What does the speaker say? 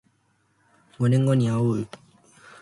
五年後にあおう